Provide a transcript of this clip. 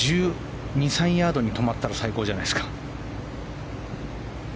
１２１３ヤードに止まったら最高じゃないですか。